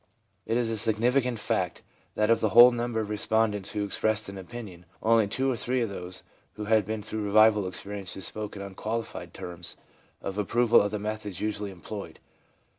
It is a significant fact that of the whole number of respondents who expressed an opinion, only two or three of those who had been through revival experiences spoke in unqualified terms of approval of the methods usually employed.